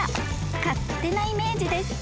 ［勝手なイメージです。